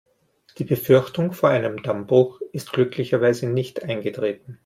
Die Befürchtung vor einem Dammbruch ist glücklicherweise nicht eingetreten.